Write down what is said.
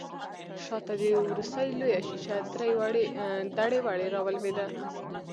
شا ته د ورسۍ لويه شيشه دړې وړې راولوېده.